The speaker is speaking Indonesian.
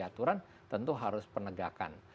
jadi aturan tentu harus penegakan